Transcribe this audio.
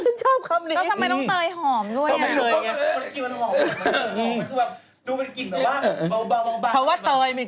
ชิคกี้พายชอบคำนี้